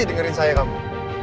dengerin saya kamu